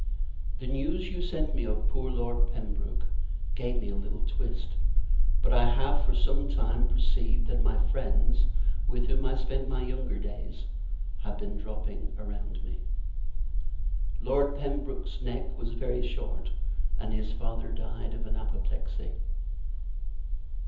The news you sent me, of poor Lord Pembroke, gave me a little twist; but I have, for some time, perceived, that my friends, with whom I spent my younger days, have been dropping around me. Lord Pembroke's neck was very short, and his father died of an apoplexy.